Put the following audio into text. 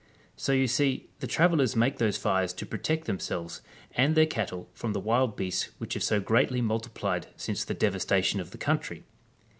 So you see the travellers make those fires to protect themselves and their cattle from the wild beasts which have so greatly multiplied since the devastation of the country.